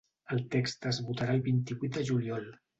El text es votarà el vint-i-vuit de juliol.